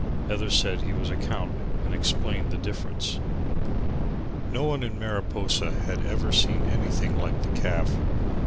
Others said he was a count and explained the difference. No one in Mariposa had ever seen anything like the caff.